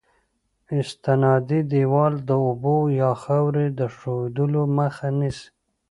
استنادي دیوال د اوبو یا خاورې د ښوېدلو مخه نیسي